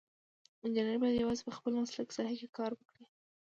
انجینر باید یوازې په خپله مسلکي ساحه کې کار وکړي.